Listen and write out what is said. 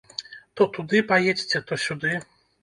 То туды паедзьце, то сюды.